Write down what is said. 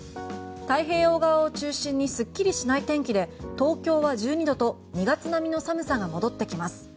太平洋側を中心にすっきりしない天気で東京は１２度と２月並みの寒さが戻ってきます。